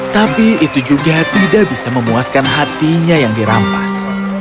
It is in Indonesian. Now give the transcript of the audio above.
tapi itu juga tidak bisa memuaskan hatinya yang dirampas